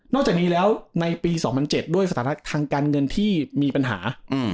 จากนี้แล้วในปี๒๐๐๗ด้วยสถานะทางการเงินที่มีปัญหา